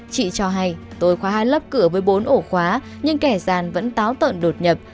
chị cho hay tôi khóa hai lắp cửa với bốn ổ khóa nhưng kẻ giàn vẫn táo tợn đột nhập